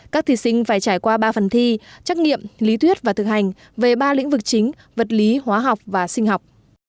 các thí sinh phải trải qua ba phần thi trắc nghiệm lý thuyết và thực hành về ba lĩnh vực chính vật lý hóa học và sinh học